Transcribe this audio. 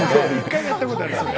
１回やったことある。